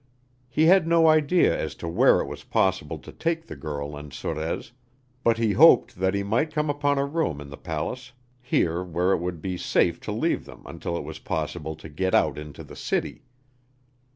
He had no idea as to where it was possible to take the girl and Sorez, but he hoped that he might come upon a room in the palace here where it would be safe to leave them until it was possible to get out into the city.